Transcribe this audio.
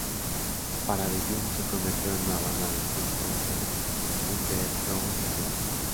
Parabellum se convirtió en una banda de culto en el "Underground" Mundial.